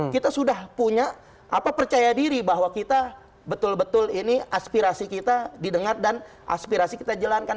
kita sudah punya apa percaya diri bahwa kita betul betul ini aspirasi kita didengar dan aspirasi kita jalankan